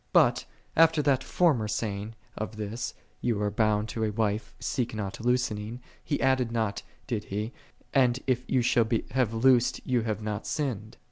"7 But, after that former saying of his, "Thou art bound to a wife, seek not loosening," he added not, did he, "And if thou shall have loosed, thou hast not sinned